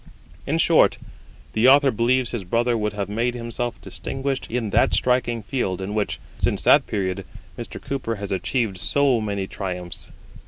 In short, the Author believes his brother would have made himself distinguished in that striking field in which, since that period, Mr. Cooper has achieved so many triumphs.